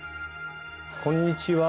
こんにちは。